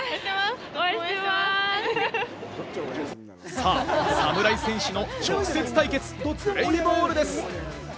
さぁ侍選手の直接対決、プレーボールです。